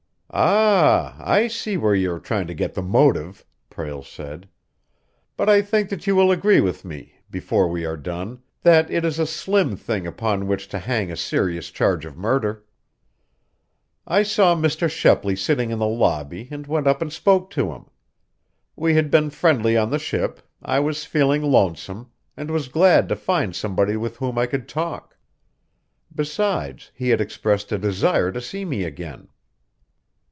"Ah, I see where you are trying to get the motive," Prale said. "But I think that you will agree with me, before we are done, that it is a slim thing upon which to hang a serious charge of murder. I saw Mr. Shepley sitting in the lobby and went up and spoke to him. We had been friendly on the ship, I was feeling lonesome, and was glad to find somebody with whom I could talk. Besides, he had expressed a desire to see me again."